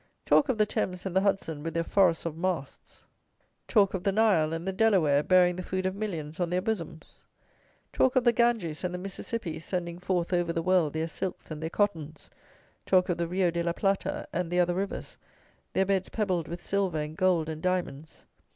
Talk of the Thames and the Hudson with their forests of masts; talk of the Nile and the Delaware bearing the food of millions on their bosoms; talk of the Ganges and the Mississippi sending forth over the world their silks and their cottons; talk of the Rio de la Plata and the other rivers, their beds pebbled with silver and gold and diamonds.